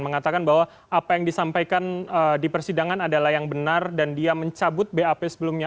mengatakan bahwa apa yang disampaikan di persidangan adalah yang benar dan dia mencabut bap sebelumnya